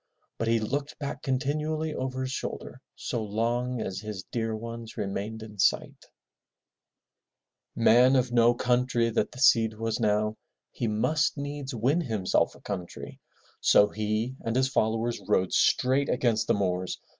But he looked back continually over his shoulder so long as his dear ones remained in sight. Z^7 MY BOOK HOUSE Man of no country that the Cid was now, he must needs win himself a country. So he and his followers rode straight against the Moors.